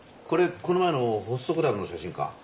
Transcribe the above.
これこの前のホストクラブの写真か？